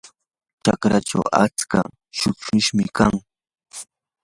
chalachaw atsa shuqushmi kan.